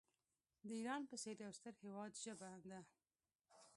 د ایران په څېر یو ستر هیواد ژبه ده.